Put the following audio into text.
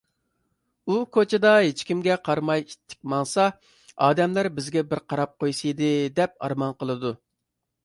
ئۇ كوچىدا ھېچكىمگە قارىماي ئىتتىك ماڭسا، ئادەملەر بىزگە بىر قاراپ قويسىدى! دەپ ئارمان قىلىدۇ.